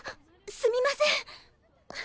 すみません。